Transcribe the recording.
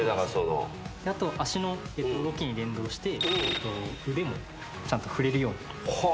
あと足の動きに連動して腕もちゃんと振れるように。